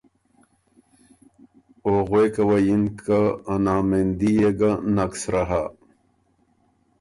او غوېکه وه یِن که ”ا نامېندي يې ګه نک سرۀ هۀ۔